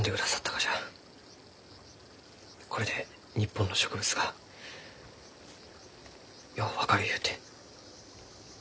これで日本の植物がよう分かるゆうて。